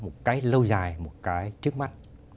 một cái lâu dài một cái trước mắt